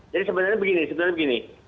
jadi sebenarnya begini sebenarnya begini